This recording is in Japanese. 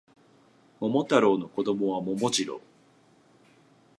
桃太郎の子供は桃次郎